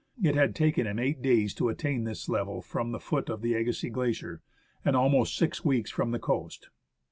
It had taken him eight days to attain to this level from the foot of Agassiz Glacier, and almost six weeks from the coast.